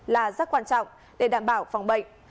là rất quan trọng để đảm bảo phòng bệnh